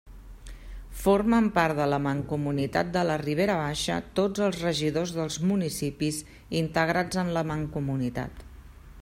Formen part de la Mancomunitat de la Ribera Baixa tots els regidors dels municipis integrats en la Mancomunitat.